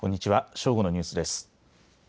正午のニュースです。